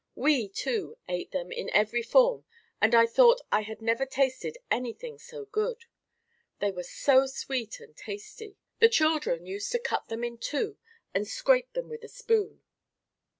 We, too, ate them in every form and I thought I had never tasted anything so good. They were so sweet and tasty. The children used to cut them in two and scrape them with a spoon.